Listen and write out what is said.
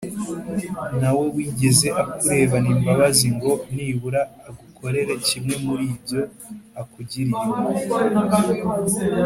Nta wigeze akurebana imbabazi ngo nibura agukorere kimwe muri ibyo akugiriye impuhwe